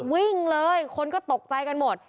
วิ่งเลยคนก็ตกใจกันหมด